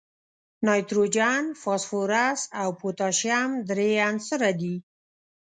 نایتروجن، فاسفورس او پوتاشیم درې عنصره دي.